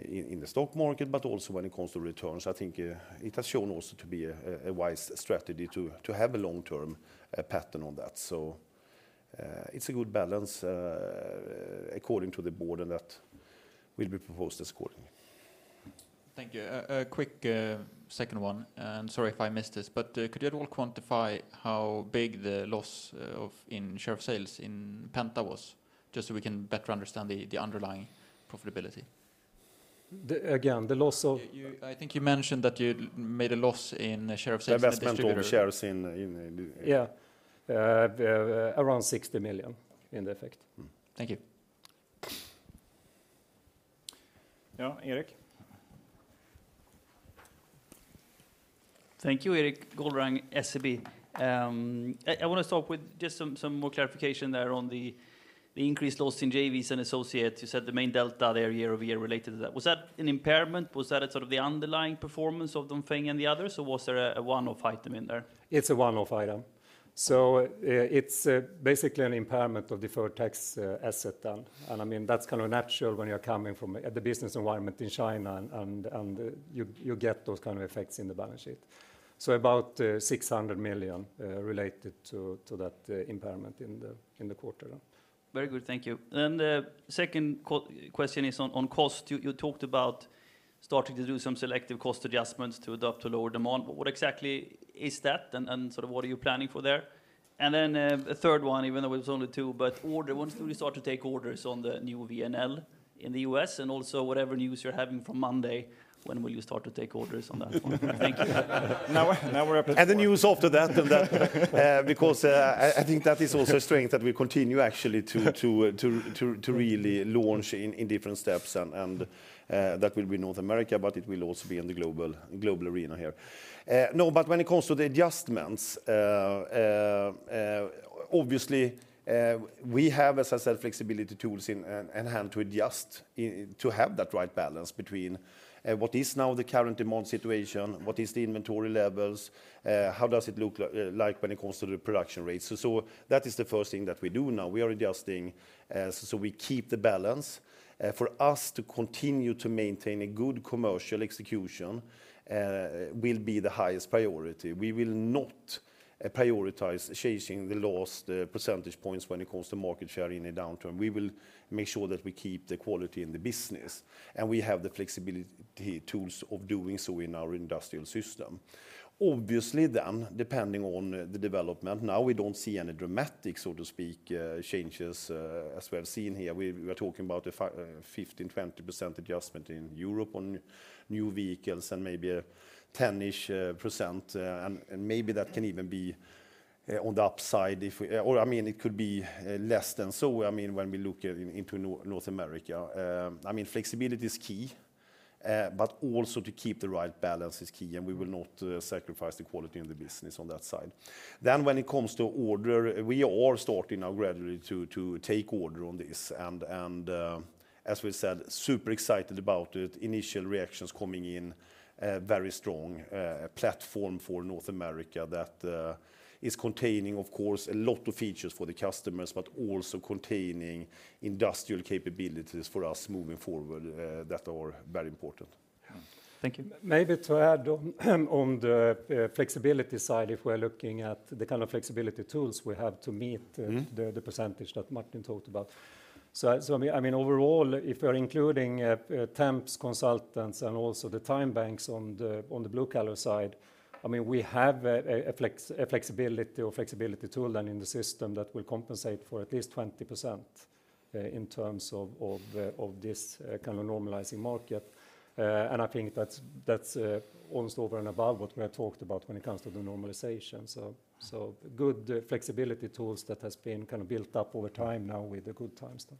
in the stock market, but also when it comes to returns, I think it has shown also to be a wise strategy to have a long-term pattern on that. So it's a good balance according to the board and that will be proposed accordingly. Thank you. A quick second one, and sorry if I missed this, but could you at all quantify how big the loss in share of sales in Penta was, just so we can better understand the underlying profitability? Again, the loss of I think you mentioned that you made a loss in share of sales. The investment on the shares in Yeah. Around 60 million in the effect. Thank you. Yeah, Erik. Thank you, Erik Golrang, SEB. I want to start with just some more clarification there on the increased loss in JVs and associates. You said the main delta there year-over-year related to that. Was that an impairment? Was that sort of the underlying performance of Dongfeng and the others, or was there a one-off item in there? It's a one-off item. So it's basically an impairment of deferred tax asset then, and I mean, that's kind of natural when you're coming from the business environment in China and you get those kind of effects in the balance sheet. So about 600 million related to that impairment in the quarter then. Very good. Thank you. Then the second question is on cost. You talked about starting to do some selective cost adjustments to adapt to lower demand. What exactly is that, and sort of what are you planning for there? And then a third one, even though it was only two, but orders. Once do we start to take orders on the new VNL in the U.S.? And also whatever news you're having from Monday, when will you start to take orders on that one? Thank you. Now we're at the news after that, and that because I think that is also a strength that we continue actually to really launch in different steps, and that will be North America, but it will also be in the global arena here. No, but when it comes to the adjustments, obviously, we have, as I said, flexibility tools in hand to adjust, to have that right balance between what is now the current demand situation, what is the inventory levels, how does it look like when it comes to the production rates. So that is the first thing that we do now. We are adjusting so we keep the balance. For us to continue to maintain a good commercial execution will be the highest priority. We will not prioritize chasing the lost percentage points when it comes to market share in a downturn. We will make sure that we keep the quality in the business, and we have the flexibility tools of doing so in our industrial system. Obviously then, depending on the development, now we don't see any dramatic, so to speak, changes as we have seen here. We are talking about a 15%, 20% adjustment in Europe on new vehicles and maybe a 10-ish%, and maybe that can even be on the upside. I mean, it could be less than so, I mean, when we look into North America. I mean, flexibility is key, but also to keep the right balance is key, and we will not sacrifice the quality in the business on that side. Then when it comes to order, we are starting now gradually to take order on this, and as we said, super excited about it. Initial reactions coming in, very strong platform for North America that is containing, of course, a lot of features for the customers, but also containing industrial capabilities for us moving forward that are very important. Thank you. Maybe to add on the flexibility side, if we're looking at the kind of flexibility tools we have to meet the percentage that Martin talked about. So I mean, overall, if we're including TEMPS consultants and also the time banks on the blue collar side, I mean, we have a flexibility or flexibility tool then in the system that will compensate for at least 20% in terms of this kind of normalizing market. And I think that's almost over and above what we have talked about when it comes to the normalization. So good flexibility tools that have been kind of built up over time now with the good times then.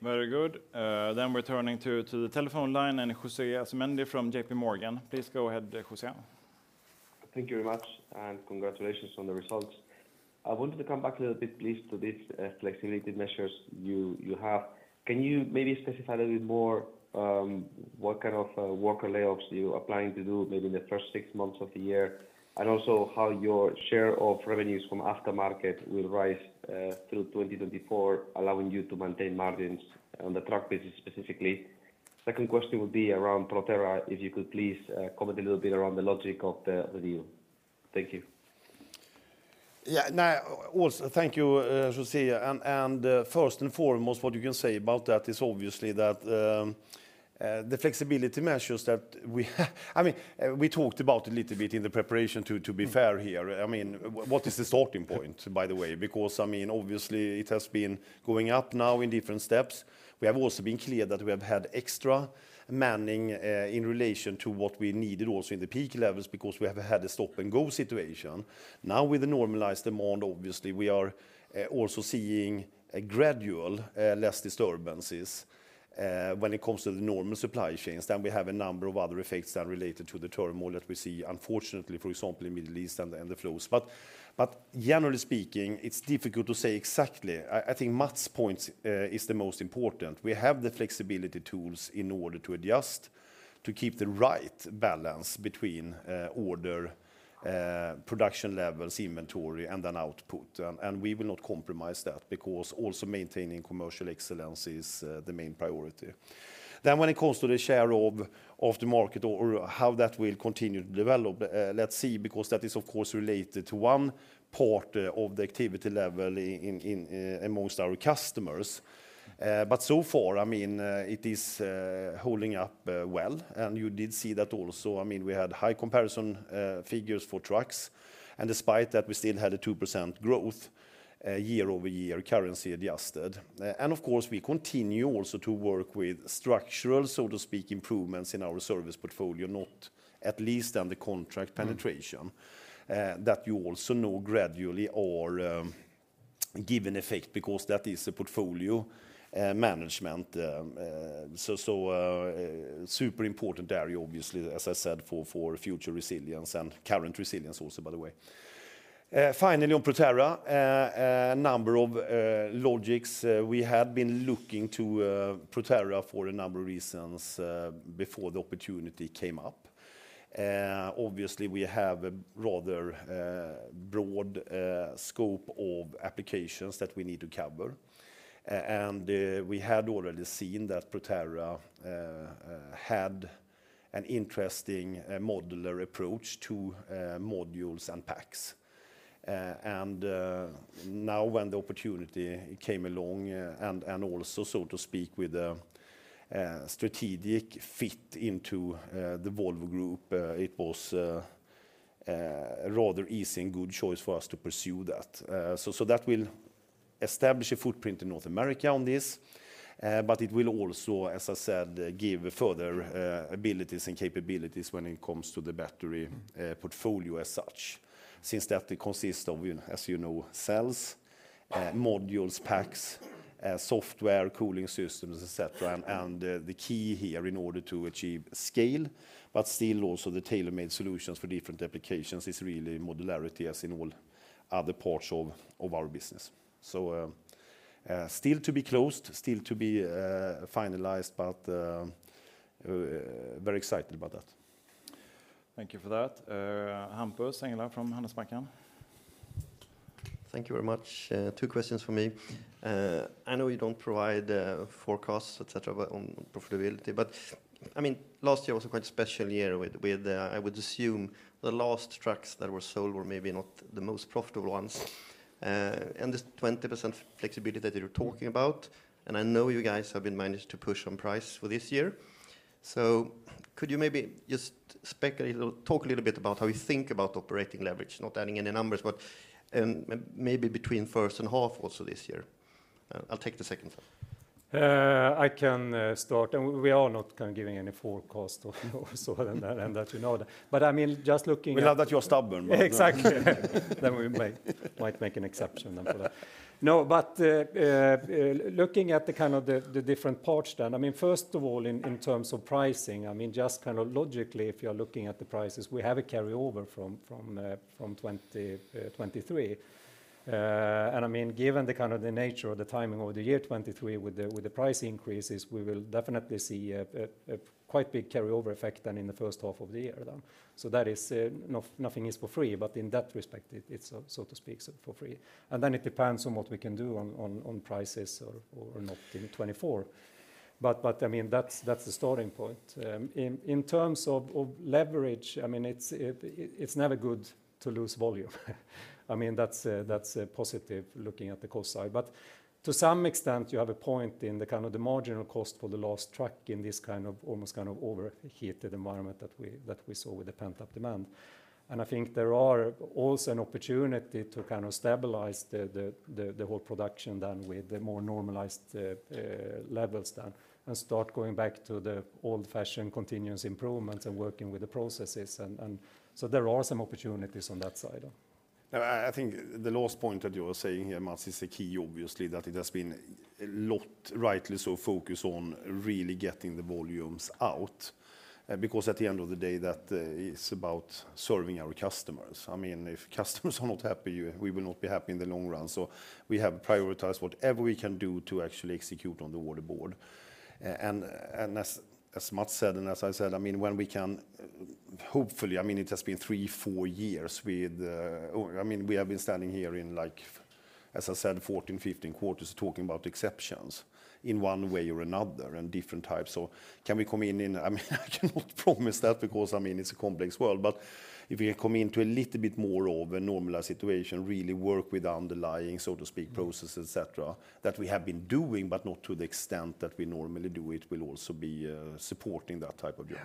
Very good. Then we're turning to the telephone line and José Asumendi from JP Morgan. Please go ahead, José. Thank you very much, and congratulations on the results. I wanted to come back a little bit, please, to these flexibility measures you have. Can you maybe specify a little bit more what kind of worker layoffs you're applying to do maybe in the first six months of the year, and also how your share of revenues from aftermarket will rise through 2024, allowing you to maintain margins on the truck business specifically? Second question would be around Proterra, if you could please comment a little bit around the logic of the deal. Thank you. Yeah, no, also thank you, José. First and foremost, what you can say about that is obviously that the flexibility measures that we have. I mean, we talked about it a little bit in the preparation, to be fair here. I mean, what is the starting point, by the way? Because I mean, obviously, it has been going up now in different steps. We have also been clear that we have had extra manning in relation to what we needed also in the peak levels because we have had a stop-and-go situation. Now, with the normalized demand, obviously, we are also seeing a gradual less disturbances when it comes to the normal supply chains. Then we have a number of other effects then related to the turmoil that we see, unfortunately, for example, in the Middle East and the flows. But generally speaking, it's difficult to say exactly. I think Mats' point is the most important. We have the flexibility tools in order to adjust, to keep the right balance between order, production levels, inventory, and then output. We will not compromise that because also maintaining commercial excellence is the main priority. When it comes to the share of the market or how that will continue to develop, let's see, because that is, of course, related to one part of the activity level amongst our customers. So far, I mean, it is holding up well, and you did see that also. I mean, we had high comparison figures for trucks, and despite that, we still had a 2% growth year-over-year, currency adjusted. And of course, we continue also to work with structural, so to speak, improvements in our service portfolio, not at least then the contract penetration that you also know gradually are giving effect because that is a portfolio management. So super important area, obviously, as I said, for future resilience and current resilience also, by the way. Finally, on Proterra, a number of logics. We had been looking to Proterra for a number of reasons before the opportunity came up. Obviously, we have a rather broad scope of applications that we need to cover. And we had already seen that Proterra had an interesting modular approach to modules and packs. And now, when the opportunity came along and also, so to speak, with a strategic fit into the Volvo Group, it was a rather easy and good choice for us to pursue that. So that will establish a footprint in North America on this. But it will also, as I said, give further abilities and capabilities when it comes to the battery portfolio as such, since that consists of, as you know, cells, modules, packs, software, cooling systems, etc. And the key here in order to achieve scale, but still also the tailor-made solutions for different applications is really modularity as in all other parts of our business. So still to be closed, still to be finalized, but very excited about that. Thank you for that. Hampus Engellau from Handelsbanken. Thank you very much. Two questions for me. I know you don't provide forecasts, etc., on profitability, but I mean, last year was quite a special year with, I would assume, the last trucks that were sold were maybe not the most profitable ones. And the 20% flexibility that you're talking about, and I know you guys have been managed to push on price for this year. So could you maybe just talk a little bit about how you think about operating leverage, not adding any numbers, but maybe between first and half also this year? I'll take the second time. I can start. And we are not kind of giving any forecasts or so on that end, as you know that. But I mean, just looking at We love that you're stubborn. Exactly. Then we might make an exception then for that. No, but looking at the kind of the different parts then, I mean, first of all, in terms of pricing, I mean, just kind of logically, if you're looking at the prices, we have a carryover from 2023. And I mean, given the kind of the nature of the timing over the year 2023 with the price increases, we will definitely see a quite big carryover effect then in the H1 of the year then. So that is nothing is for free, but in that respect, it's, so to speak, for free. And then it depends on what we can do on prices or not in 2024. But I mean, that's the starting point. In terms of leverage, I mean, it's never good to lose volume. I mean, that's positive looking at the cost side. But to some extent, you have a point in the kind of the marginal cost for the last truck in this kind of almost kind of overheated environment that we saw with the pent-up demand. I think there are also an opportunity to kind of stabilize the whole production then with the more normalized levels then and start going back to the old-fashioned continuous improvements and working with the processes. So there are some opportunities on that side then. Now, I think the last point that you were saying here, Mats, is a key, obviously, that it has been a lot, rightly, so focused on really getting the volumes out because at the end of the day, that is about serving our customers. I mean, if customers are not happy, we will not be happy in the long run. So we have prioritized whatever we can do to actually execute on the order board. As Mats said and as I said, I mean, when we can hopefully, I mean, it has been three, four years with I mean, we have been standing here in, like, as I said, 14, 15 quarters talking about exceptions in one way or another and different types. Can we come in, I mean, I cannot promise that because I mean, it's a complex world. But if we can come into a little bit more of a normalized situation, really work with underlying, so to speak, processes, etc., that we have been doing, but not to the extent that we normally do, it will also be supporting that type of job.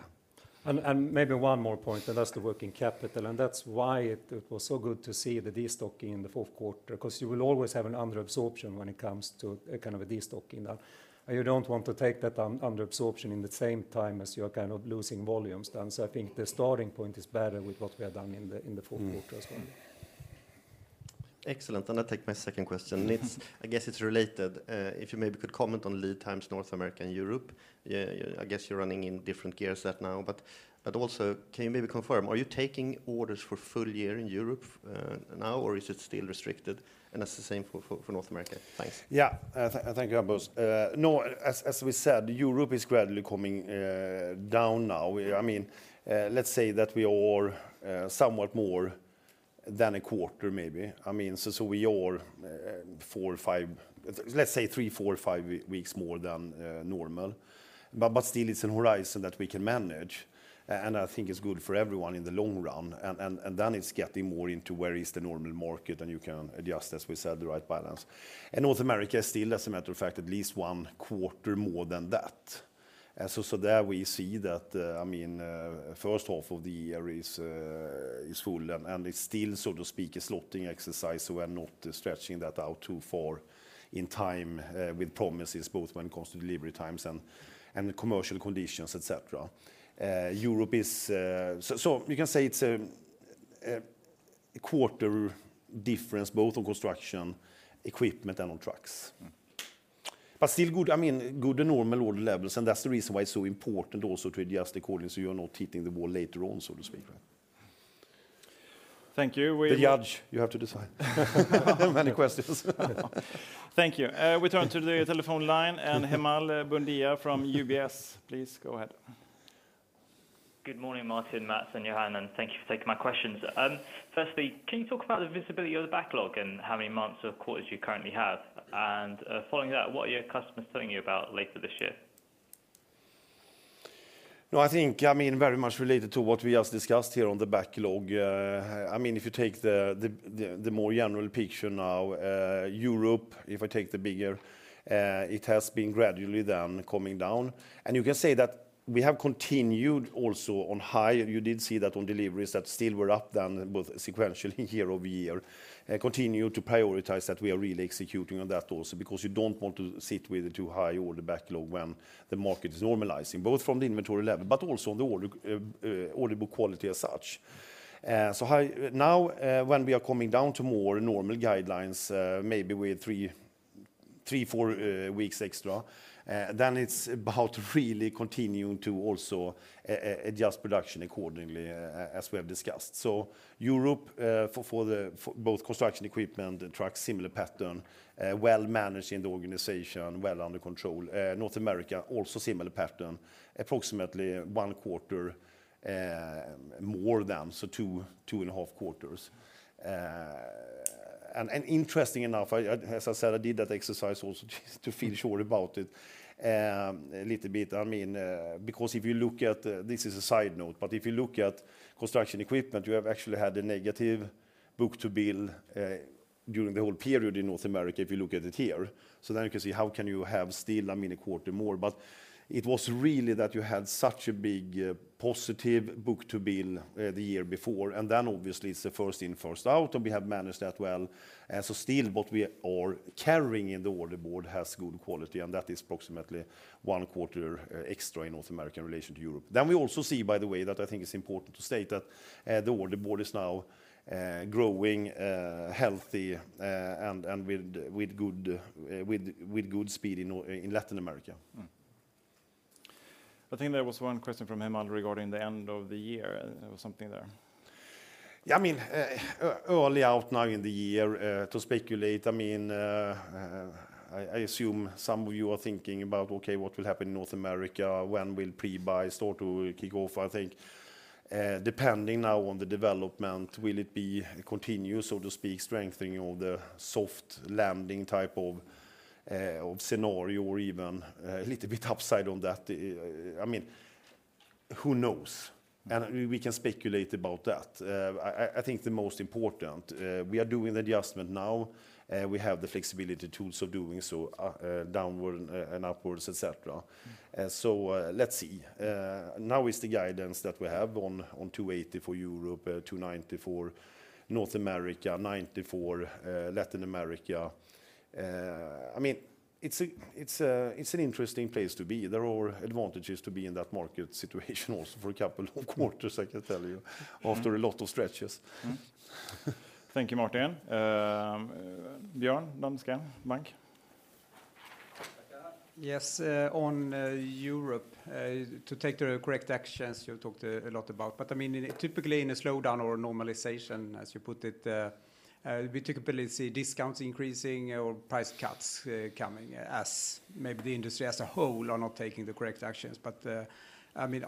And maybe one more point, and that's the working capital, and that's why it was so good to see the destocking in the Q4 because you will always have an underabsorption when it comes to kind of a destocking then. You don't want to take that underabsorption in the same time as you're kind of losing volumes then. So I think the starting point is better with what we have done in the Q4 as well. Excellent. And I take my second question. I guess it's related. If you maybe could comment on lead times North America and Europe, I guess you're running in different gears there now. But also, can you maybe confirm, are you taking orders for full year in Europe now, or is it still restricted? And that's the same for North America. Thanks. Yeah, thank you, Hampus. No, as we said, Europe is gradually coming down now. I mean, let's say that we are somewhat more than a quarter, maybe. I mean, so we are four, five let's say three, four, five weeks more than normal. But still, it's a horizon that we can manage. And I think it's good for everyone in the long run. And then it's getting more into where is the normal market, and you can adjust, as we said, the right balance. And North America is still, as a matter of fact, at least one quarter more than that. So there we see that, I mean, first half of the year is full, and it's still, so to speak, a slotting exercise so we're not stretching that out too far in time with promises, both when it comes to delivery times and commercial conditions, etc. Europe is, so you can say, it's a quarter difference both on construction equipment and on trucks. But still good, I mean, good and normal order levels. And that's the reason why it's so important also to adjust according to you're not hitting the wall later on, so to speak, right? Thank you. The judge, you have to decide. Many questions. Thank you. We turn to the telephone line and Hemal Bhundia from UBS. Please go ahead. Good morning, Martin, Mats, and Johan. And thank you for taking my questions. Firstly, can you talk about the visibility of the backlog and how many months or quarters you currently have? And following that, what are your customers telling you about later this year? No, I think, I mean, very much related to what we just discussed here on the backlog. I mean, if you take the more general picture now, Europe, if I take the bigger, it has been gradually then coming down. And you can say that we have continued also on high. You did see that on deliveries that still were up then both sequentially, year-over-year. Continue to prioritize that we are really executing on that also because you don't want to sit with a too high order backlog when the market is normalizing, both from the inventory level but also on the order book quality as such. So now, when we are coming down to more normal guidelines, maybe with three, four weeks extra, then it's about really continuing to also adjust production accordingly as we have discussed. So Europe, for both construction equipment, trucks, similar pattern, well managed in the organization, well under control. North America, also similar pattern, approximately one quarter more than, so two and a half quarters. Interesting enough, as I said, I did that exercise also to feel sure about it a little bit. I mean, because if you look at—this is a side note—but if you look at construction equipment, you have actually had a negative book-to-bill during the whole period in North America if you look at it here. So then you can see how can you have still, I mean, a quarter more. But it was really that you had such a big positive book-to-bill the year before. And then, obviously, it's the first in, first out, and we have managed that well. So still, what we are carrying in the order board has good quality, and that is approximately one quarter extra in North America in relation to Europe. Then we also see, by the way, that I think it's important to state that the order board is now growing healthy and with good speed in Latin America. I think there was one question from Hemal regarding the end of the year. It was something there. Yeah, I mean, early out now in the year to speculate. I mean, I assume some of you are thinking about, okay, what will happen in North America? When will pre-buy start to kick off, I think? Depending now on the development, will it be continuous, so to speak, strengthening of the soft landing type of scenario or even a little bit upside on that? I mean, who knows? And we can speculate about that. I think the most important, we are doing the adjustment now. We have the flexibility tools of doing so downward and upwards, etc. So let's see. Now is the guidance that we have on 280 for Europe, 290 for North America, 90 for Latin America. I mean, it's an interesting place to be. There are advantages to be in that market situation also for a couple of quarters, I can tell you, after a lot of stretches. Thank you, Martin. Björn, Danske Bank. Yes, on Europe, to take the correct actions you talked a lot about. But I mean, typically in a slowdown or normalization, as you put it, we typically see discounts increasing or price cuts coming as maybe the industry as a whole are not taking the correct actions. But I mean,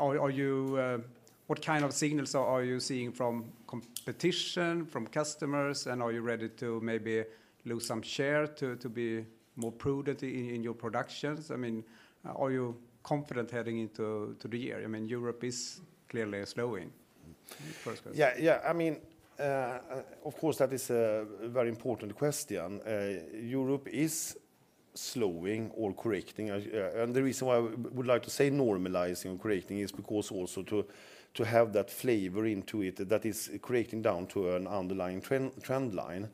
what kind of signals are you seeing from competition, from customers, and are you ready to maybe lose some share to be more prudent in your productions? I mean, are you confident heading into the year? I mean, Europe is clearly slowing. First question. Yeah, yeah. I mean, of course, that is a very important question. Europe is slowing or correcting. The reason why I would like to say normalizing or correcting is because also to have that flavor into it that is correcting down to an underlying trend line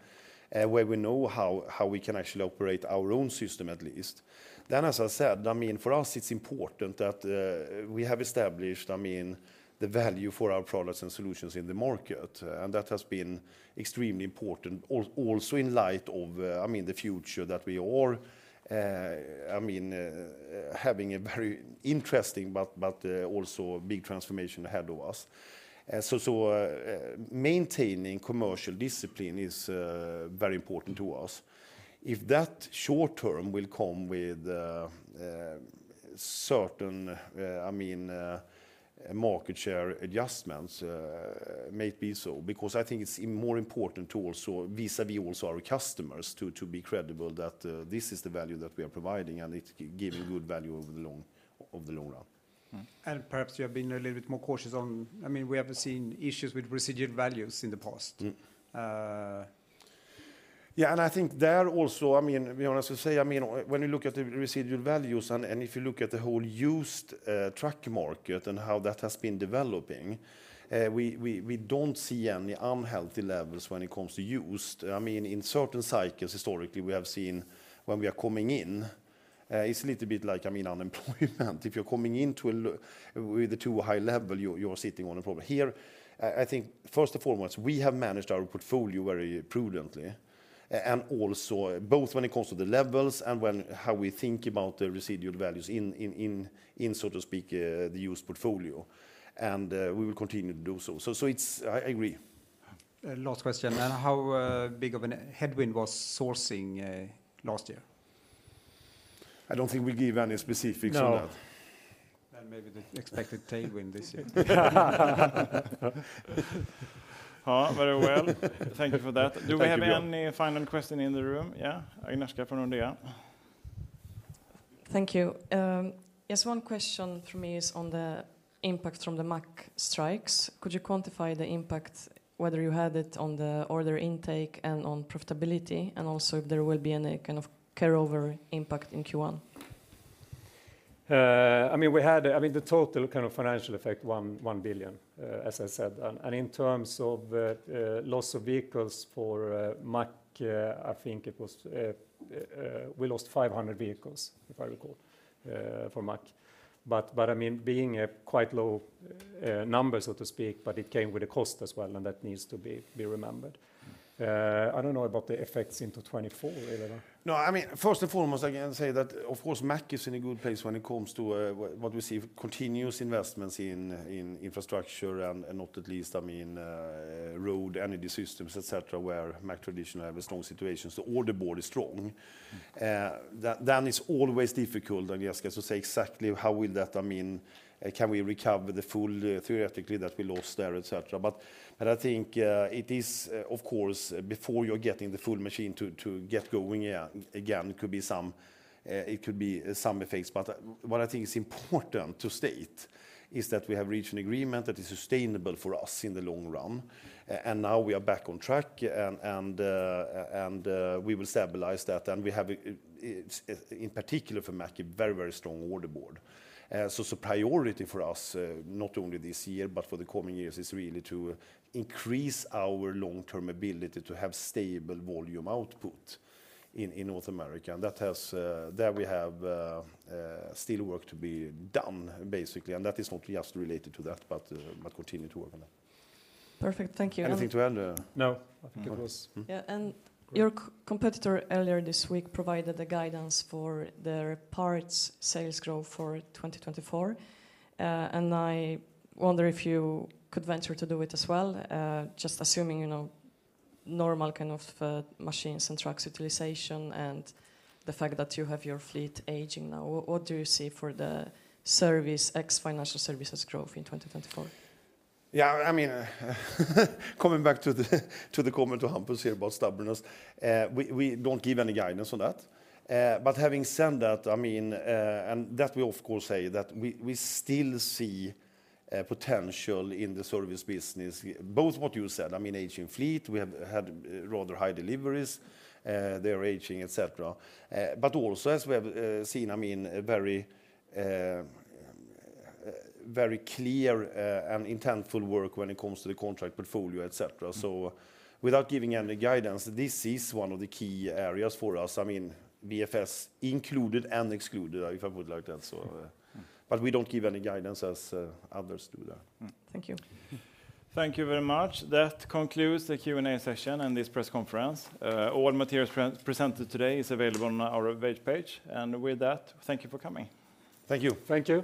where we know how we can actually operate our own system at least. Then, as I said, I mean, for us, it's important that we have established, I mean, the value for our products and solutions in the market. And that has been extremely important also in light of, I mean, the future that we are, I mean, having a very interesting but also big transformation ahead of us. So maintaining commercial discipline is very important to us. If that short term will come with certain, I mean, market share adjustments, might be so because I think it's more important to also vis-à-vis also our customers to be credible that this is the value that we are providing and it's giving good value over the long run. And perhaps you have been a little bit more cautious on, I mean, we have seen issues with residual values in the past. Yeah, and I think there also, I mean, Björn, I should say, I mean, when you look at the residual values and if you look at the whole used truck market and how that has been developing, we don't see any unhealthy levels when it comes to used. I mean, in certain cycles historically, we have seen when we are coming in, it's a little bit like, I mean, unemployment. If you're coming in with a too high level, you're sitting on an employment. Here, I think first and foremost, we have managed our portfolio very prudently and also both when it comes to the levels and how we think about the residual values in, so to speak, the used portfolio. We will continue to do so. So I agree. Last question. How big of a headwind was sourcing last year? I don't think we gave any specifics on that. No. Then maybe the expected tailwind this year. Very well. Thank you for that. Do we have any final question in the room? Yeah, Agnieszka from Nordea. Thank you. Yes, one question from me is on the impact from the Mack strikes. Could you quantify the impact, whether you had it on the order intake and on profitability, and also if there will be any kind of carryover impact in Q1? I mean, we had, I mean, the total kind of financial effect, 1 billion, as I said. And in terms of loss of vehicles for Mack, I think it was we lost 500 vehicles, if I recall, for Mack. But I mean, being quite low numbers, so to speak, but it came with a cost as well, and that needs to be remembered. I don't know about the effects into 2024. No, I mean, first and foremost, I can say that, of course, Mack is in a good place when it comes to what we see, continuous investments in infrastructure and not at least, I mean, road, energy systems, etc., where Mack traditionally have a strong situation. So the order board is strong. Then it's always difficult, Agnieszka, to say exactly how will that, I mean, can we recover the full theoretically that we lost there, etc.? But I think it is, of course, before you're getting the full machine to get going again, could be some it could be some effects. But what I think is important to state is that we have reached an agreement that is sustainable for us in the long run. And now we are back on track, and we will stabilize that. And we have, in particular for Mack, a very, very strong order board. So priority for us, not only this year, but for the coming years, is really to increase our long-term ability to have stable volume output in North America. And that has there we have still work to be done, basically. That is not just related to that, but continue to work on that. Perfect. Thank you. Anything to add? No, I think it was. Yeah. Your competitor earlier this week provided the guidance for their parts sales growth for 2024. I wonder if you could venture to do it as well, just assuming normal kind of machines and trucks utilization and the fact that you have your fleet aging now. What do you see for the service ex-financial services growth in 2024? Yeah, I mean, coming back to the comment to Hampus here about stubbornness, we don't give any guidance on that. But having said that, I mean, and that we, of course, say that we still see potential in the service business, both what you said, I mean, aging fleet. We have had rather high deliveries. They are aging, etc. But also, as we have seen, I mean, very clear and intentional work when it comes to the contract portfolio, etc. So without giving any guidance, this is one of the key areas for us, I mean, VFS included and excluded, if I put it like that. But we don't give any guidance as others do there. Thank you. Thank you very much. That concludes the Q&A session and this press conference. All materials presented today is available on our web page. With that, thank you for coming. Thank you. Thank you.